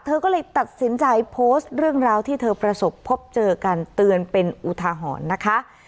เธอก็เลยตัดสินใจโพสต์เรื่องราวที่เธอประสบพบเจอกันเตือนเป็นอุทาหรณ์นะคะ